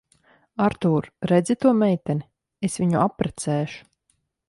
Artūr, redzi to meiteni? Es viņu apprecēšu.